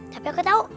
tapi aku tau